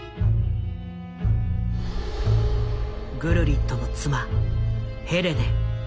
グルリットの妻ヘレネ。